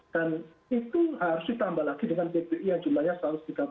dan itu harus ditambah lagi dengan bpi yang jumlahnya satu ratus tiga puluh tiga juta